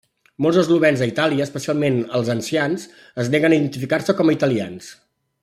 Molts eslovens a Itàlia, especialment els ancians, es neguen a identificar-se com a italians.